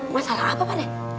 masalah apa pak de